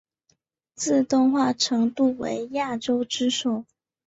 自动化程度为亚洲之首。